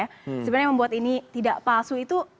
sebenarnya membuat ini tidak palsu itu